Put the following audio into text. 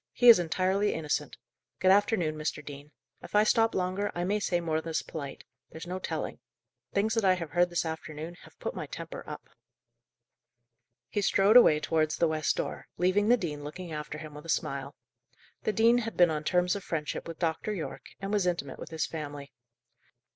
He is entirely innocent. Good afternoon, Mr. Dean. If I stop longer, I may say more than's polite; there's no telling. Things that I have heard this afternoon have put my temper up." He strode away towards the west door, leaving the dean looking after him with a smile. The dean had been on terms of friendship with Dr. Yorke, and was intimate with his family.